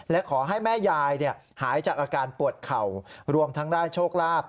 และขอให้แม่ยายหายจากอาการปวดเข่ารวมทั้งได้โชคลาภ